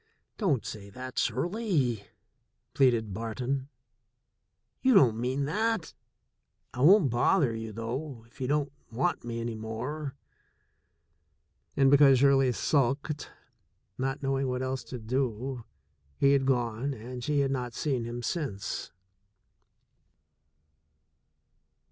"Don't say that, Shirley," pleaded Barton. "You don't mean that. I won't bother you, though, if you don't want me any more." And because Shirley sulked, not knowing what else to do, he had gone and she had not seen him since.